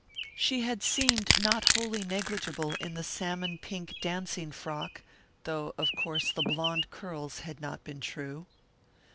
She had seemed not wholly negligible in the salmon pink dancing frock, though of course the blonde curls had not been true.